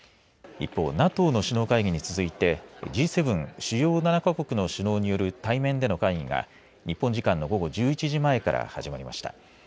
一方ＮＡＴＯの首脳会議に続いてＧ７、主要７か国の首脳による対面での会議が日本時間の午後１１時前から始まりました。